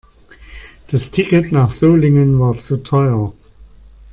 Das Ticket nach Solingen war zu teuer